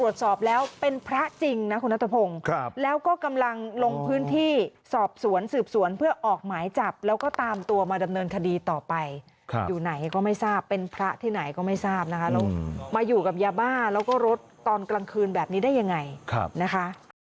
เชิญคดีต่อไปอยู่ไหนก็ไม่ทราบเป็นพระที่ไหนก็ไม่ทราบแล้วมาอยู่กับยาบ้าแล้วก็รถตอนกลางคืนแบบนี้ได้ยังไงนะคะ